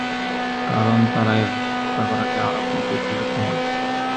কারণ, তারা এভাবে হত্যা করাকে আরব নীতির বিরুদ্ধ মনে করে।